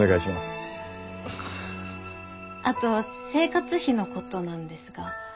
あと生活費のことなんですが。